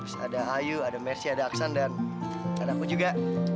terus ada hayu ada mersi ada aksan dan ada aku juga